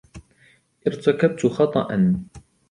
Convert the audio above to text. ارتكبت خطأً.